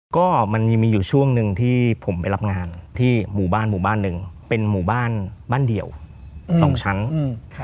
ก็มันมีมีอยู่ช่วงหนึ่งที่ผมไปรับงานที่หมู่บ้านหมู่บ้านหนึ่งเป็นหมู่บ้านบ้านเดี่ยวสองชั้นอืม